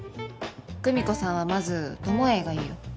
久美子さんはまず友営がいいよ。